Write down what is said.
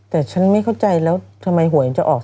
แต่ฉันไม่เข้าใจแล้วทำไมหวยจะออก